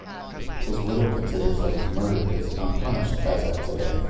His widow considers that his murder is unpunished as at today.